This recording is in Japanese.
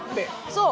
そう。